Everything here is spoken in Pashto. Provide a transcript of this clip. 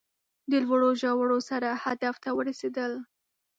له لوړو ژورو سره هدف ته ورسېدل